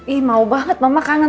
ih mau banget mama kangen